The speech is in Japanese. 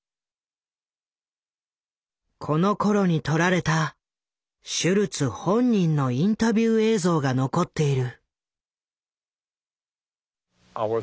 このころに撮られたシュルツ本人のインタビュー映像が残っている。